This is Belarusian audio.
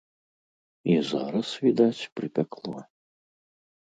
І зараз, відаць, прыпякло.